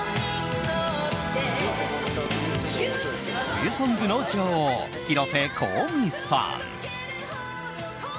冬ソングの女王、広瀬香美さん。